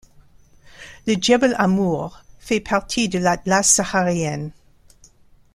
Le djebel Amour fait partie de l’Atlas saharien.